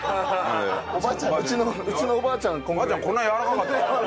おばあちゃんこんなやわらかかった？